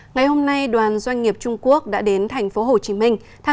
ngày hôm nay đoàn doanh nghiệp trung quốc đã đến thành phố hồ chí minh